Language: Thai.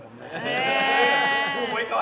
ผมอ่วยก่อนน่ะเหรอพี่ตัว